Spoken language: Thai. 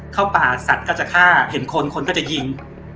เข้าป่าสัตว์ก็จะฆ่าเห็นคนคนก็จะยิง